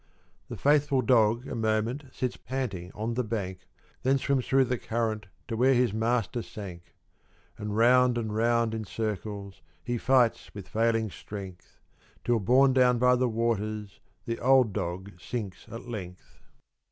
The faithful dog a moment Sits panting on the bank, And then swims through the current To where his master sank. And round and round in circles, He fights with failing strength, Till borne down by the waters, The old dog sinks at length.